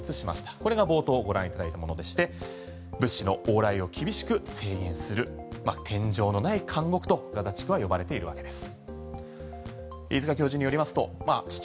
これが冒頭ご覧いただいたものでして物資の往来を厳しく制限する天井のない監獄とガザ地区は呼ばれているわけです。